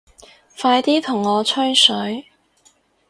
快啲同我吹水